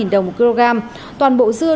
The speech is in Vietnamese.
ba đồng một kg toàn bộ dưa